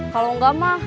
kalau enggak mah